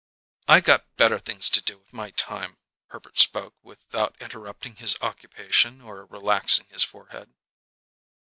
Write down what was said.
I got better things to do with my time." Herbert spoke without interrupting his occupation or relaxing his forehead.